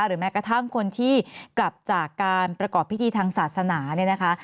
แม้กระทั่งคนที่กลับจากการประกอบพิธีทางศาสนาเนี่ยนะคะ